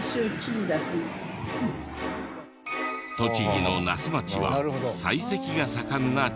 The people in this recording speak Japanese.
栃木の那須町は採石が盛んな地域。